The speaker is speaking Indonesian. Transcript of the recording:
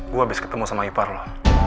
gue abis ketemu sama ipar lah